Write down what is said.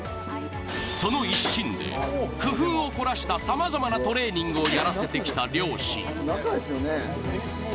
その一心で工夫を凝らしたさまざまなトレーニングをやらせてきた両親。